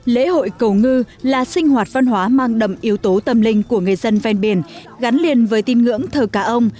lễ hội cầu ngư là sinh hoạt văn hóa mang đậm yếu tố tâm linh của người dân ven biển gắn liền với tin ngưỡng thờ cá ông